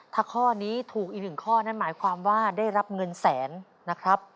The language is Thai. ถ้าข้อนี้ถูกอีกหนึ่งข้อนั่นหมายความว่าได้รับเงินแสนนะครับ